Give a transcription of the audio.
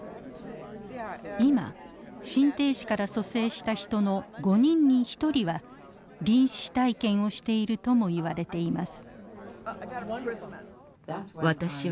今心停止から蘇生した人の５人に１人は臨死体験をしているともいわれています。